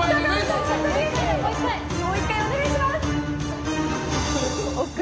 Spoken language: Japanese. もう１回、お願いします。